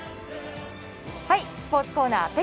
スポーツコーナー。